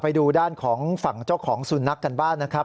ไปดูด้านของฝั่งเจ้าของสุนัขกันบ้างนะครับ